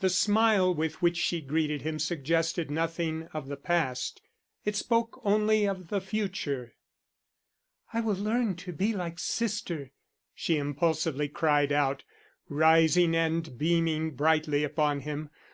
The smile with which she greeted him suggested nothing of the past. It spoke only of the future. "I will learn to be like sister," she impulsively cried out, rising and beaming brightly upon him.